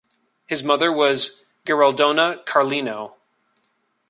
His mother was Gueraldona Carlino.